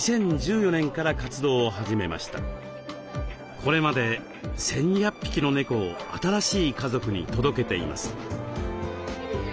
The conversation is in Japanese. これまで１，２００匹の猫を新しい家族に届けています。